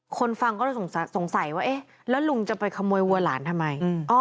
คนฟังก็สงสัยว่าลุงจะไปขโมยวัวหลานทำไม